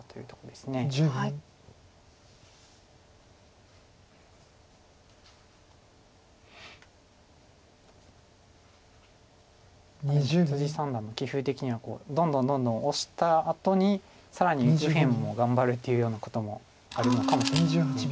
でも三段の棋風的にはどんどんどんどんオシたあとに更に右辺も頑張るっていうようなこともあるのかもしれないです。